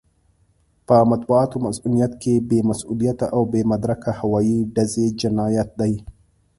په مطبوعاتي مصؤنيت کې بې مسووليته او بې مدرکه هوايي ډزې جنايت دی.